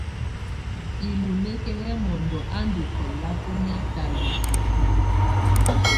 Ilunǝ́ki yɛ mɔndɔ á ndù bɛlabɔnɛa talɛ̀á bɛkɔla.